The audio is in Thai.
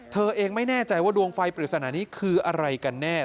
เธอเองไม่แน่ใจว่าดวงไฟปริศนานี้คืออะไรกันแน่